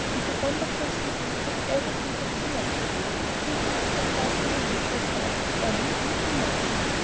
"And the wonderful thing is that everything comes so naturally. Katy is precisely her usual self, only a little more so."